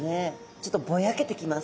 ちょっとぼやけてきます。